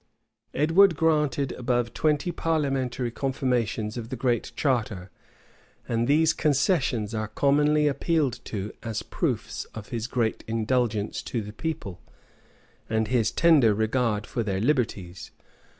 [*] Edward granted above twenty parliamentary confirmations of the Great Charter; and these concessions are commonly appealed to as proofs of his great indulgence to the people, and his tender regard for their liberties.